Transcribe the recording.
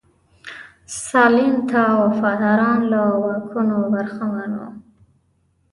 ستالین ته وفاداران له واکونو برخمن وو.